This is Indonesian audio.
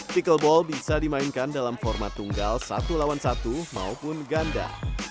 pickleball bisa dimainkan dalam format tunggal satu lawan satu maupun ganda